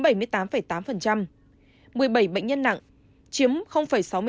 một mươi bảy bệnh nhân nặng chiếm sáu mươi sáu